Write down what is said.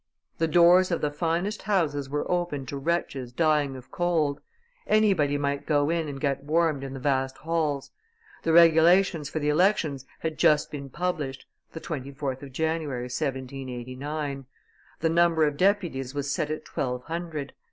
The doors of the finest houses were opened to wretches dying of cold; anybody might go in and get warmed in the vast halls. The regulations for the elections had just been published (24th of January, 1789). The number of deputies was set at twelve hundred.